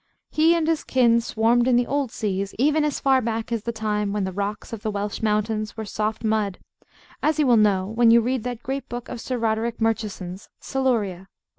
He and his kin swarmed in the old seas, even as far back as the time when the rocks of the Welsh mountains were soft mud; as you will know when you read that great book of Sir Roderick Murchison's, Siluria.